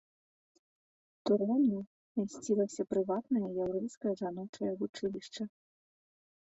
Турэмнай мясцілася прыватнае яўрэйскае жаночае вучылішча.